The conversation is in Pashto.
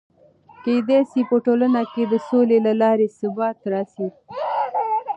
کېدای سي په ټولنه کې د سولې له لارې ثبات راسي.